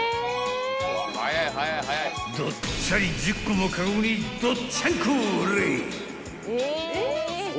［どっちゃり１０個もカゴにどっちゃんこほれぃ］